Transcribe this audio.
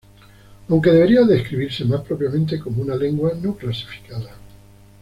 Aunque debería describirse más propiamente como una lengua no clasificada.